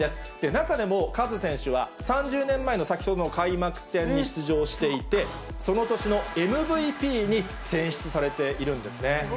中でもカズ選手は、３０年前の、先ほどの開幕戦に出場していて、その年のＭＶＰに選出されているんですね。